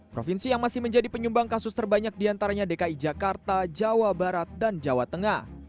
provinsi yang masih menjadi penyumbang kasus terbanyak diantaranya dki jakarta jawa barat dan jawa tengah